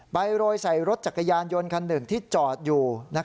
โรยใส่รถจักรยานยนต์คันหนึ่งที่จอดอยู่